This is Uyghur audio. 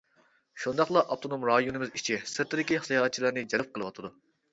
شۇنداقلا ئاپتونوم رايونىمىز ئىچى-سىرتىدىكى ساياھەتچىلەرنى جەلپ قىلىۋاتىدۇ.